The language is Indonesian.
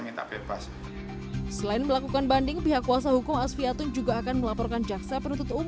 minta bebas selain melakukan banding pihak kuasa hukum asviatun juga akan melaporkan jaksa penuntut umum